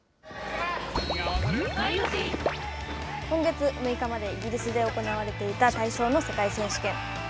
今月６日までイギリスで行われていた体操の世界選手権。